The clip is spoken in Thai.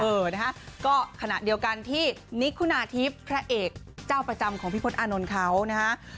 เออนะฮะก็ขณะเดียวกันที่นิคุณาทิพย์พระเอกเจ้าประจำของพี่พศอานนท์เขานะฮะ